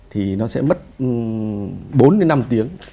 thì nó sẽ mất bốn đến năm tiếng